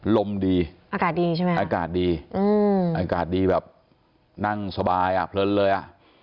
ลมดีอากาศดีใช่ไหมอากาศดีอากาศดีแบบนั่งสบายอ่ะเพลินเลยอ่ะ